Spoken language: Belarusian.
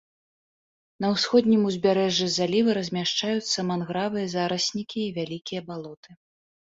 На ўсходнім узбярэжжы заліва размяшчаюцца мангравыя зараснікі і вялікі балоты.